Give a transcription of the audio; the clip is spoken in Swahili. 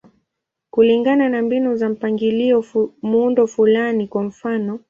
Kulingana na mbinu za mpangilio, muundo fulani, kwa mfano.